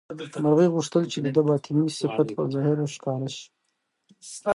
مرغۍ غوښتل چې د ده باطني صفت په ظاهر ښکاره شي.